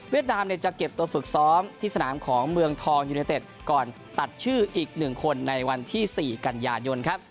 นามเนี่ยจะเก็บตัวฝึกซ้อมที่สนามของเมืองทองยูเนเต็ดก่อนตัดชื่ออีก๑คนในวันที่๔กันยายนครับ